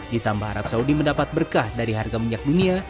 ditambah arab saudi mendapat berkah dari harga minyak dunia